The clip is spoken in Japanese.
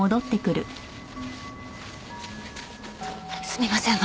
すみません。